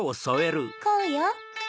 こうよ。